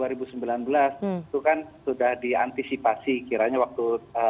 itu kan sudah diantisipasi kiranya waktu